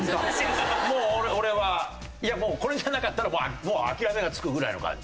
もう俺はいやもうこれじゃなかったら諦めがつくぐらいの感じ。